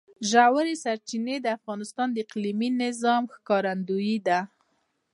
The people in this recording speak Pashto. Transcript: ژورې سرچینې د افغانستان د اقلیمي نظام ښکارندوی ده.